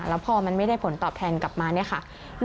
แล้วพอมันไม่ได้ผลตอบแทนกลับมาเนี่ยค่ะ